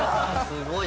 すごい。